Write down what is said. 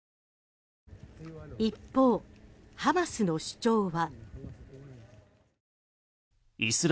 一方、ハマスの主張は。